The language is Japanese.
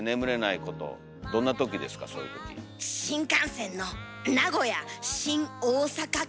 新幹線の名古屋新大阪間。